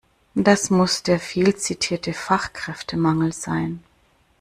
Das muss der viel zitierte Fachkräftemangel sein.